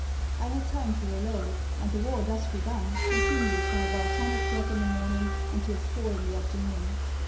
I had time to reload, and the war thus begun continued from about ten o'clock in the morning until four in the afternoon.